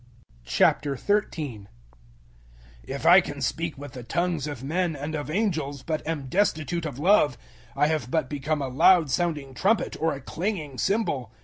013:001 If I can speak with the tongues of men and of angels, but am destitute of Love, I have but become a loud sounding trumpet or a clanging cymbal.